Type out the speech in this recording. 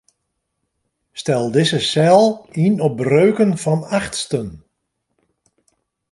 Stel dizze sel yn op breuken fan achtsten.